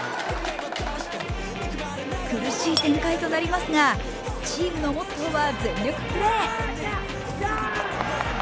苦しい展開となりますがチームのモットーは全力プレー。